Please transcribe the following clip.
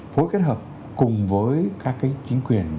phối kết hợp cùng với các cái chính quyền